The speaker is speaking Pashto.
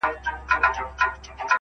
• شراب ترخه ترخو ته دي، و موږ ته خواږه.